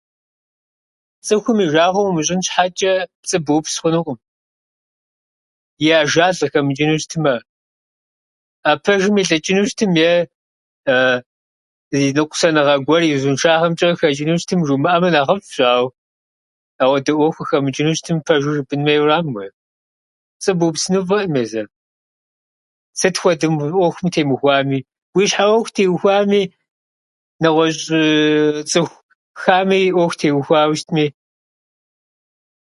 Цӏыхум и жагъуэ умыщӏын щхьэчӏэ, пцӏы быупс хъунуӏым и ажал къыхэмычӏыну щытмэ. А пэжым илӏыкӏыну щытым е зы ныкъусаныгъэ гуэр и узыншагъэмчӏэ къыхэчӏыну щытмэ, жумыӏэмэ нэхъыфӏщ, ауэ ауэдэ ӏуэху къыхэмычӏыну щытым, пэжыр жыпӏэн хуейуэрам, уей. Пцӏы быупсыну фӏыӏым езыр, сыт хуэдэ ӏуэхум темыухуами, уи щхьэ ӏуэху теухуами нэгъуэщӏ цӏыху хамэ и ӏуэху теухуауэ щытми.